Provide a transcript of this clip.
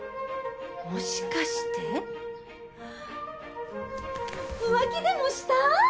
もしかして浮気でもした！？